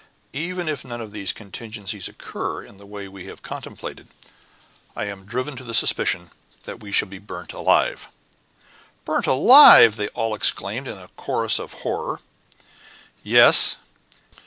"Even if none of these contingencies occur in the way we have contemplated, I am driven to the suspicion that we shall be burnt alive." "Burnt alive!" they all exclaimed in a chorus of horror. "Yes.